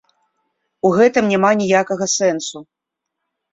У гэтым няма ніякага сэнсу.